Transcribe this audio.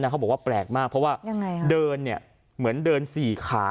อะเขาบอกว่าแปลกมากเพราะว่ายังไงอะเดินเนี้ยเหมือนเดินสี่ขา